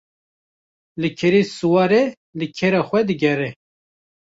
Li kerê siwar e li kera xwe digere